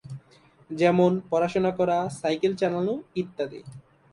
যেমনঃ পড়াশোনা করা, সাইকেল চালানো ইত্যাদি।